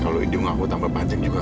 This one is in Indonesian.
kalau hidung aku tambah panjang juga